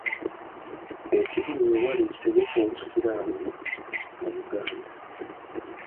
E kibuli we wali ekitebe ky’Obusiraamu mu Uganda.